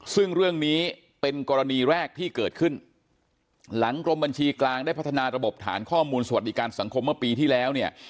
ซึ่งเรื่องนี้เป็นกรณีแรกที่เกิดขึ้นหลังกรมบัญชีกลางได้พัฒนาระบบฐานข้อมูลสวัสดิการสังคมเมื่อปีที่แล้วเนี่ย